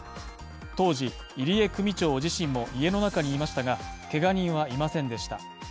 当時、入江組長自身も家の中にいましたが、けが人はいませんでした。